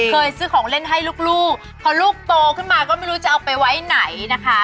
ซื้อของเล่นให้ลูกพอลูกโตขึ้นมาก็ไม่รู้จะเอาไปไว้ไหนนะคะ